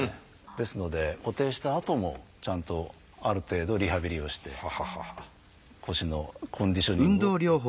ですので固定したあともちゃんとある程度リハビリをして腰のコンディショニングを良くする必要はあります。